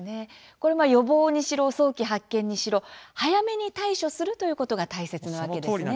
予防にしろ早期発見にしろ早めに対処するということが大切なわけですね。